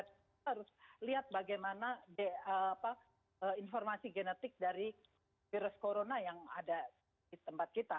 kita harus lihat bagaimana informasi genetik dari virus corona yang ada di tempat kita